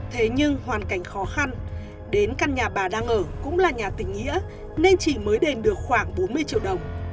thế nhưng hoàn cảnh khó khăn đến căn nhà bà đang ở cũng là nhà tình nghĩa nên chị mới đền được khoảng bốn mươi triệu đồng